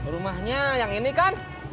rumahnya yang ini kan